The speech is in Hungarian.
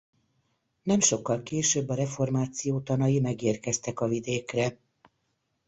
Nem sokkal később a reformáció tanai megérkeztek a vidékre.